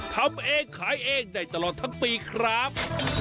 ทำเองขายเองได้ตลอดทั้งปีครับ